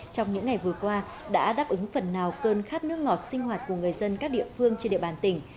trong những ngày vừa qua đã đáp ứng phần nào cơn khát nước ngọt sinh hoạt của người dân các địa phương trên địa bàn tỉnh